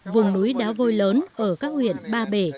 vùng núi đá vôi lớn ở các huyện ba bể